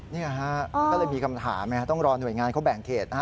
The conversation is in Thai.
นี่ฮะมันก็เลยมีคำถามต้องรอหน่วยงานเขาแบ่งเขตนะฮะ